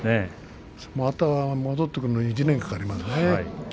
また戻ってくるのに１年かかりますね。